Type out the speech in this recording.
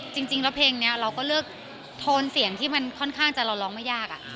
จริงแล้วเพลงนี้เราก็เลือกโทนเสียงที่มันค่อนข้างจะเราร้องไม่ยาก